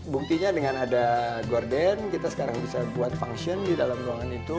buktinya dengan ada gorden kita sekarang bisa buat function di dalam ruangan itu